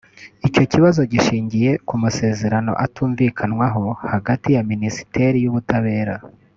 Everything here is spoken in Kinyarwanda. Icyo kibazo gishingiye ku masezerano atumvikanwaho hagati ya Ministeri y’Ubutabera